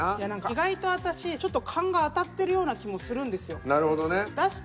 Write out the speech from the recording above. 意外と私ちょっと勘が当たってるような気もするんですよ。